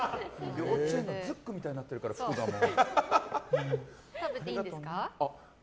幼稚園のズックみたいになってる服がもう。